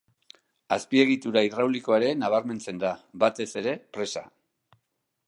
Azpiegitura hidraulikoa ere nabarmentzen da, batez ere presa.